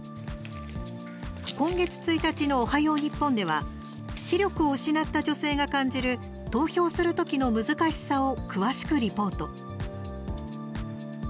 今月１日の「おはよう日本」では視力を失った女性が感じる投票するときの難しさを詳しくリポート。